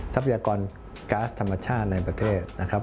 ทรัพยากรก๊าซธรรมชาติในประเทศนะครับ